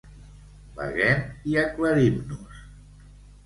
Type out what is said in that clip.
Beguem i aclarim-nos!